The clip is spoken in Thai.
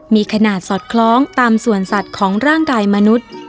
มีขนาดสอดคล้องตามส่วนสัตว์ของร่างกายมนุษย์